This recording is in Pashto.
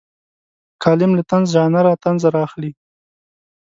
کالم له طنز ژانره طنز رااخلي.